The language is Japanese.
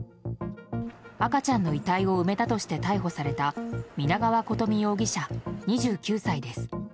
赤ちゃんの遺体を埋めたとして逮捕された皆川琴美容疑者、２９歳です。